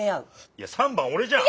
いや３番俺じゃん。